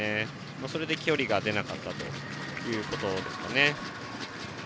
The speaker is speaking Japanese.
それで距離が出なかったということですかね。